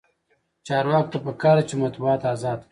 چارواکو ته پکار ده چې، مطبوعات ازاد کړي.